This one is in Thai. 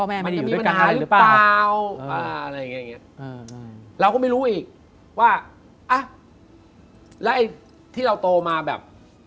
ว่าอะแล้วไอ้ที่เราโตมาแบบ